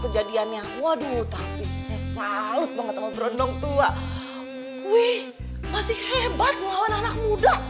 kejadiannya waduh tapi saya salus banget sama berondong tua wih masih hebat melawan anak muda